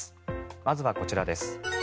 まずはこちらです。